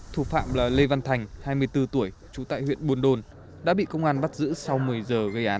thủ phạm là lê văn thành hai mươi bốn tuổi trú tại huyện buôn đôn đã bị công an bắt giữ sau một mươi giờ gây án